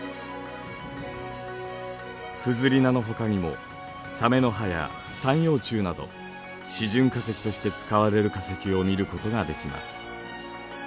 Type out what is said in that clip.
フズリナのほかにもサメの歯や三葉虫など示準化石として使われる化石を見ることができます。